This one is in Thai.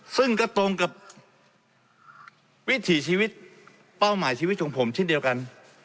ซึ่งก็ตรงกับวิถีชีวิตเป้าหมายชีวิตของผมเช่นเดียวกัน